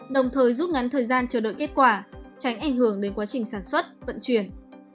đồng thời rút ngắn thời gian chờ đợi kết quả tránh ảnh hưởng đến quá trình sản xuất vận chuyển